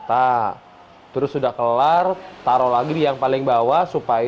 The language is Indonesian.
tapi setelah mengetahui waktunya diberi bantuan